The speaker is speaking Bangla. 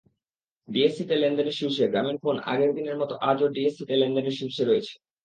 ডিএসইতে লেনদেনে শীর্ষে গ্রামীণফোনআগের দিনের মতো আজও ডিএসইতে লেনদেনে শীর্ষে রয়েছে গ্রামীণফোন।